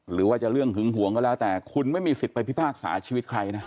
หรือว่าจะเรื่องหึงห่วงก็แล้วแต่คุณไม่มีสิทธิ์ไปพิพากษาชีวิตใครนะ